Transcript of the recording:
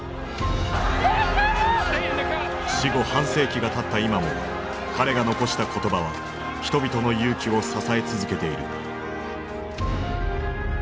死後半世紀がたった今も彼が残した言葉は人々の勇気を支え続けている。